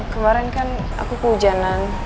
kemarin kan aku keujanan